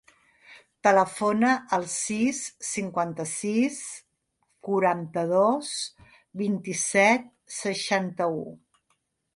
Telefona al sis, cinquanta-sis, quaranta-dos, vint-i-set, seixanta-u.